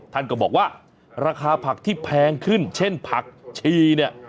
ท่านก็บอกว่าราคาผักที่แพงขึ้นเช่นผักชีเนี่ย